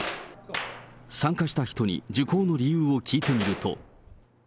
参加した人に受講の理由を聞いてみると。